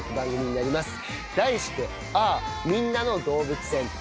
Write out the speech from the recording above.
みんなの動物園。